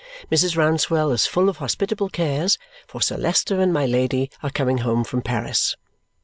Mrs. Rouncewell is full of hospitable cares, for Sir Leicester and my Lady are coming home from Paris.